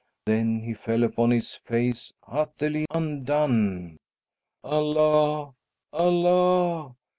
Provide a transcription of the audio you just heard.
Then he fell upon his face, utterly undone. "Allah, Allah!